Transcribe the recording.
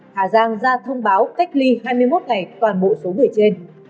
hà giang ra thông báo cách ly hai mươi một ngày toàn bộ số người trên